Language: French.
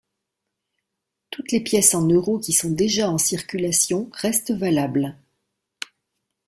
Toutes les pièces en euro qui sont déjà en circulation restent valables.